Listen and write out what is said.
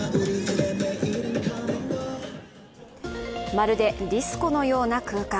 まるでディスコのような空間。